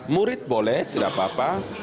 murid boleh tidak apa apa